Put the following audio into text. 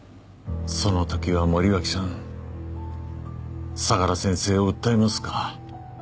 その時は森脇さん相良先生を訴えますか？